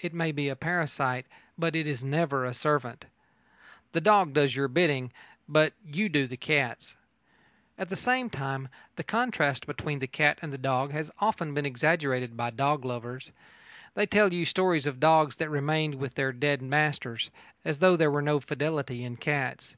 It may be a parasite, but it is never a servant. The dog does your bidding, but you do the cat's. At the same time, the contrast between the cat and the dog has often been exaggerated by dog lovers. They tell you stories of dogs that remained with their dead masters, as though there were no fidelity in cats.